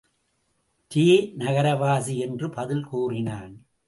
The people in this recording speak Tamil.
ரே நகரவாசி என்று பதில் கூறினான்.